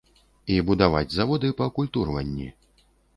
І будаваць заводы па акультурванні.